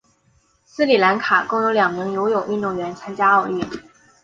斯里兰卡共有两名游泳运动员参加奥运。